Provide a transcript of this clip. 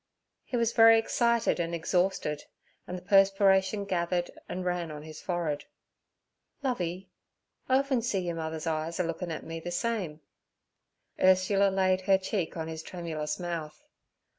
He was very excited and exhausted, and the perspiration gathered and ran on his forehead. 'Lovey, I often see yer mother's eyes a lookin' et me ther same.' Ursula laid her cheek on his tremulous mouth.